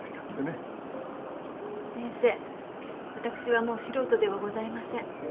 先生わたくしはもう素人ではございません。